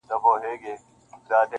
په لوی لاس به مي ځان وسپارم عذاب ته!.